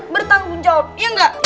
bertanggung jawab iya gak